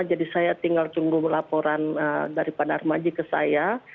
jadi saya tinggal tunggu laporan dari pak darmaji ke saya